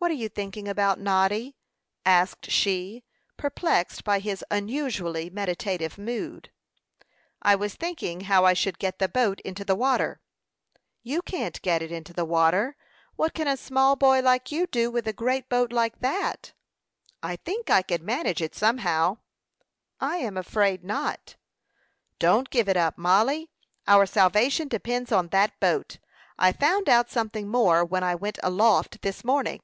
"What are you thinking about, Noddy?" asked she, perplexed by his unusually meditative mood. "I was thinking how I should get the boat into the water." "You can't get it into the water. What can a small boy like you do with a great boat like that?" "I think I can manage it somehow." "I am afraid not." "Don't give it up, Mollie; our salvation depends on that boat. I found out something more, when I went aloft this morning."